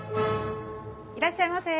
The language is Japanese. いらっしゃいませ。